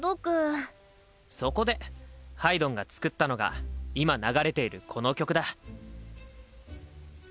そこでハイドンが作ったのが今流れているこの曲だ。